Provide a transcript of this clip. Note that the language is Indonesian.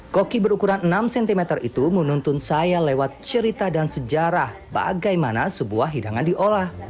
koki berukuran enam cm itu menuntun saya lewat cerita dan sejarah bagaimana sebuah hidangan diolah